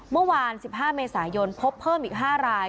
เมื่อวาน๑๕เมษายนพบเพิ่มอีก๕ราย